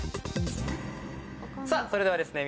さぁそれではですね